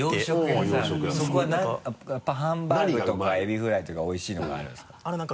そこはやっぱハンバーグとかエビフライとかおいしいのがあるんですか？